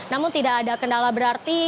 namun tidak ada kendala berarti